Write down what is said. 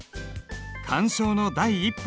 鑑賞の第一歩。